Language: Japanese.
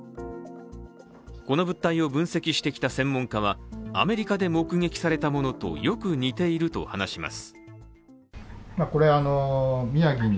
この物体を分析してきた専門家はアメリカで目撃されたものとよく似ていると話します。